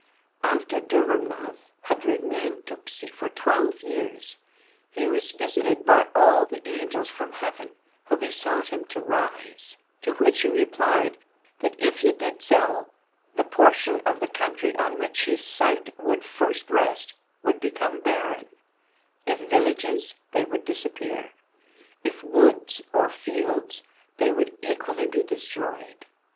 After Dhurrumnath had remained Tupseeah for twelve years, he was visited by all the angels from heaven, who besought him to rise; to which he replied, that if he did so, the portion of the country on which his sight would first rest would become barren: if villages, they would disappear; if woods or fields, they would equally be destroyed.